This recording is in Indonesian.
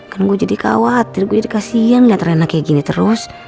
kan gue jadi khawatir gue jadi kasihan liat rena kayak gini terus